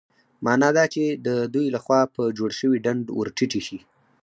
مانا دا چې د دوی له خوا په جوړ شوي ډنډ ورټيټې شي.